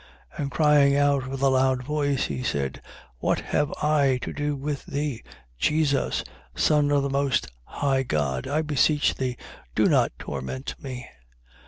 And crying out with a loud voice, he said: What have I to do with thee, Jesus, Son of the most high God? I beseech thee, do not torment me.